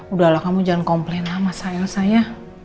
udahlah kamu jangan komplain lah sama elsa ya